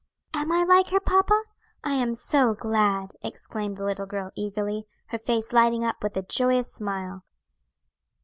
"Am I like her, papa? I am so glad!" exclaimed the little girl eagerly, her face lighting up with a joyous smile.